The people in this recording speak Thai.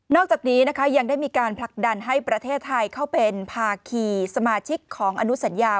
อกจากนี้นะคะยังได้มีการผลักดันให้ประเทศไทยเข้าเป็นภาคีสมาชิกของอนุสัญญา